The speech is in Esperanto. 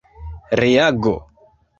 reago